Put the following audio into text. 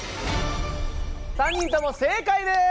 ３人とも正解です。